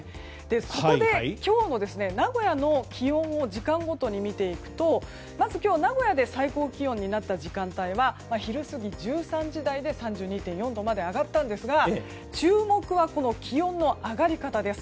そこで、今日の名古屋の気温を時間ごとに見ていくとまず、今日は名古屋で最高気温になった時間帯は昼過ぎ１３時台で３２．４度まで上がったんですが注目は、気温の上がり方です。